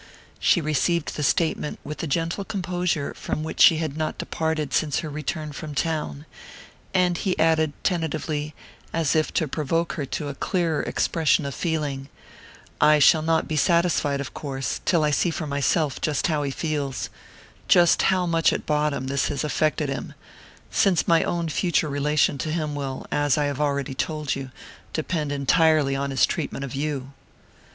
She received the statement with the gentle composure from which she had not departed since her return from town; and he added tentatively, as if to provoke her to a clearer expression of feeling: "I shall not be satisfied, of course, till I see for myself just how he feels just how much, at bottom, this has affected him since my own future relation to him will, as I have already told you, depend entirely on his treatment of you."